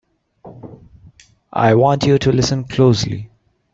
I want you to listen closely!